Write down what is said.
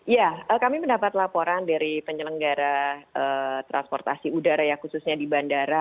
ya kami mendapat laporan dari penyelenggara transportasi udara ya khususnya di bandara